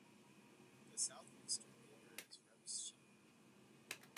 The southeastern neighbour is Remscheid.